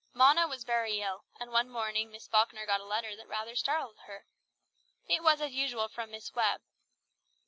Mona was very ill, and one morning Miss Falkner got a letter that rather startled her. It was as usual from Miss Webb.